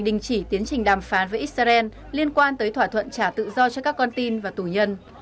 đình chỉ tiến trình đàm phán với israel liên quan tới thỏa thuận trả tự do cho các con tin và tù nhân